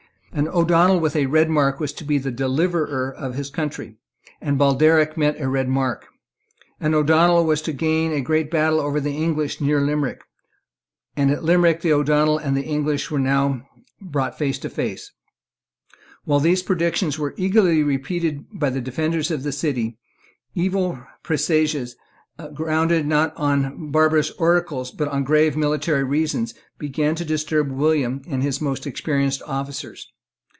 An O'Donnel with a red mark was to be the deliverer of his country; and Baldearg meant a red mark. An O'Donnel was to gain a great battle over the English near Limerick; and at Limerick the O'Donnel and the English were now brought face to face, While these predictions were eagerly repeated by the defenders of the city, evil presages, grounded not on barbarous oracles, but on grave military reasons, began to disturb William and his most experienced officers.